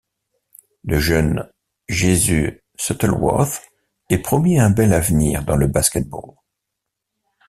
Le jeune Jesus Shuttlesworth est promis à un bel avenir dans le basket-ball.